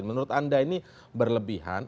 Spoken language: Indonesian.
menurut anda ini berlebihan